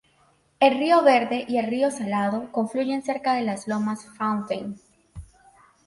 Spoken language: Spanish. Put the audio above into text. El río Verde y el río Salado confluyen cerca de las lomas Fountain.